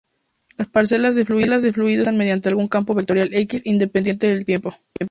Las parcelas de fluidos se etiquetan mediante algún campo vectorial x, independiente del tiempo.